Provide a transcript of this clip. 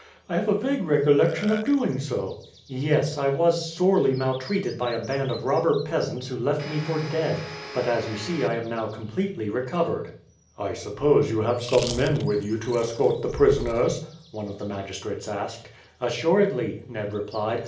I have a vague recollection of doing so." "Yes. I was sorely maltreated by a band of robber peasants who left me for dead, but as you see I am now completely recovered." "I suppose you have some men with you to escort the prisoners?" one of the magistrates asked. "Assuredly," Ned replied.